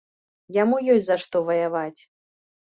Яму ёсць за што ваяваць.